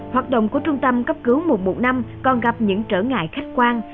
hoạt động của trung tâm cấp cứu một một năm còn gặp những trở ngại khách quan